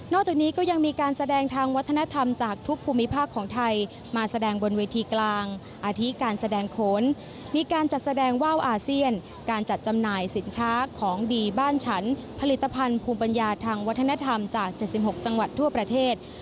จากนี้ก็ยังมีการแสดงทางวัฒนธรรมจากทุกภูมิภาคของไทยมาแสดงบนเวทีกลางอาทิตการแสดงโขนมีการจัดแสดงว่าวอาเซียนการจัดจำหน่ายสินค้าของดีบ้านฉันผลิตภัณฑ์ภูมิปัญญาทางวัฒนธรรมจาก๗๖จังหวัดทั่วประเทศ